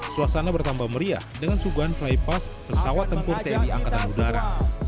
suasana bertambah meriah dengan suguhan flypass pesawat tempur tni angkatan udara